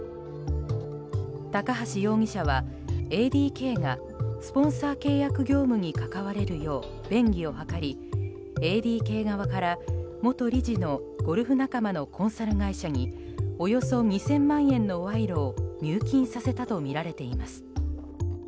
高橋容疑者はＡＤＫがスポンサー契約業務に関われるよう便宜を図りＡＤＫ側から元理事のゴルフ仲間のコンサル会社におよそ２０００万円の賄賂を入金させたとみられています。